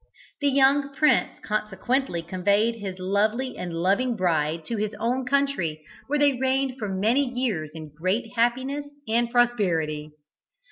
The young prince consequently conveyed his lovely and loving bride to his own country, where they reigned for many years in great happiness and prosperity.